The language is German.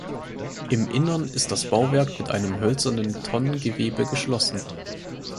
Im Innern ist das Bauwerk mit einem hölzernen Tonnengewölbe geschlossen.